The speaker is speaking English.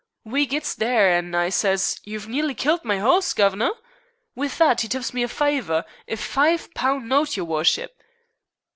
We gits there, an' I says 'you've nearly killed my 'oss, guv'nor.' With that 'e tips me a fiver a five pun note, your wurshup.'